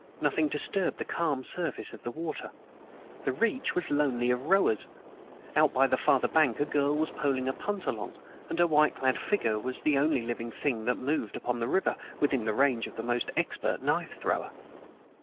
Nothing disturbed the calm surface of the water. The reach was lonely of rowers. Out by the farther bank a girl was poling a punt along, and her white clad figure was the only living thing that moved upon the river within the range of the most expert knife thrower.